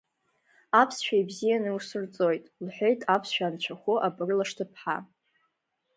Аԥсшәа ибзиан иусырҵоит, — лҳәеит аԥсшәа анцәахәы абырлаш ҭыԥҳа.